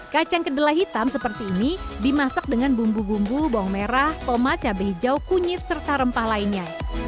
kacang kedelai hitam seperti ini dimasak dengan bumbu bumbu bawang merah tomat cabai hijau kunyit serta rempah lainnya